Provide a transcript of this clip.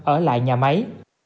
ở lại nhà máy